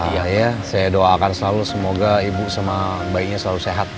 iya ya saya doakan selalu semoga ibu sama bayinya selalu sehat